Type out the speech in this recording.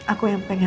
aku yang pengen